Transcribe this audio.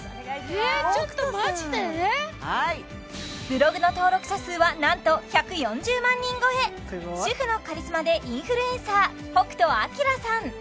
ブログの登録者数はなんと１４０万人超え主婦のカリスマでインフルエンサー北斗晶さん